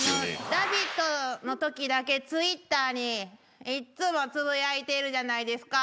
『ラヴィット！』のときだけＴｗｉｔｔｅｒにいっつもつぶやいてるじゃないですか。